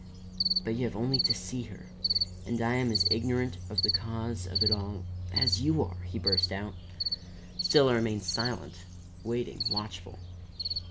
But you have only to see her. And I am as ignorant of the cause of it all as you are!" he burst out. Still I remained silent, waiting, watchful.